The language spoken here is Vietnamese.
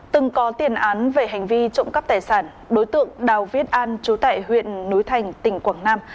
từng có tiền án về hành vi trộm cắp tài sản đối tượng đào viết an trú tại huyện núi thành tỉnh quảng nam